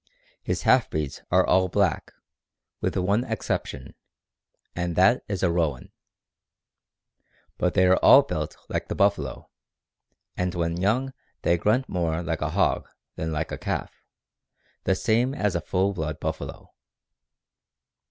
His half breeds are all black, with one exception, and that is a roan; but they are all built like the buffalo, and when young they grunt more like a hog than like a calf, the same as a full blood buffalo.